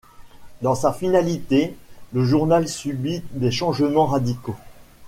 Dans sa finalité, le journal subit des changements radicaux.